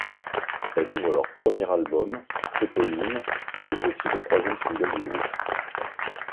Elle ouvre leur premier album éponyme et est aussi le troisième single du groupe.